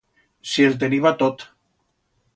Si el teniba tot.